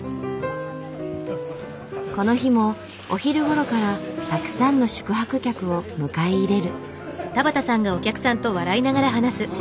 この日もお昼頃からたくさんの宿泊客を迎え入れる。